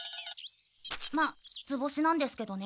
まあ図星なんですけどね。